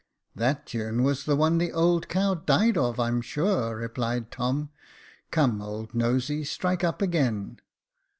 " That tune was the one the old cow died of, I'm sure," replied Tom. " Come, old Nosey, strike up again."